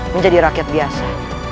menjadi rakyat biasa